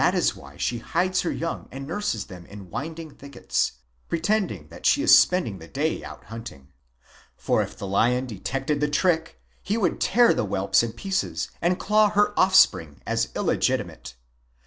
is why she hides her young and nurses them in winding thickets, pretending that she is spending the day out hunting. For if the lion detected the trick, he would tear the whelps in pieces and claw her offspring as illegitimate.